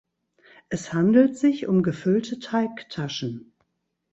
Es handelt sich um gefüllte Teigtaschen.